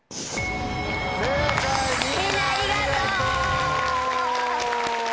正解みんなありがとう！